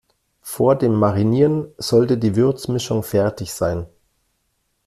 Vor dem Marinieren sollte die Würzmischung fertig sein.